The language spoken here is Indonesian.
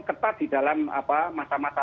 ketat di dalam masa masa